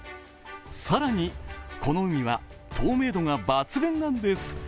更に、この海は透明度が抜群なんです。